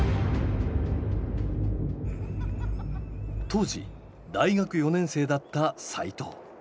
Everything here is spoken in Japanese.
当時大学４年生だった齋藤。